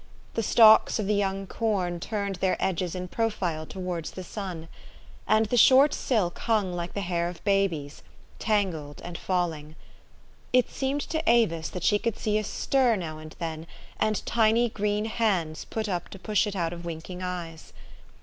The stalks of the young corn turned their edges in profile towards the sun ; and the short silk hung like the hair of babies, tangled and falling : it seemed to Avis that she could see a stir now and 54 THE STOKY OF AVIS. then, and tiny green hands put up to push it out of winking eyes.